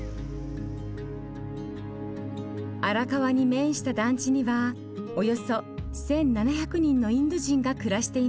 荒川に面した団地にはおよそ１，７００人のインド人が暮らしています。